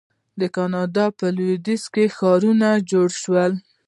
د کاناډا په لویدیځ کې ښارونه جوړ شول.